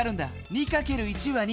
２かける１は２。